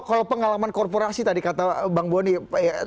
kalau pengalaman korporasi tadi kata bang boni